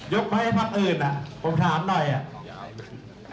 ไปให้พักอื่นอ่ะผมถามหน่อยอ่ะ